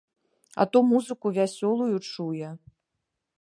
А то музыку вясёлую чуе.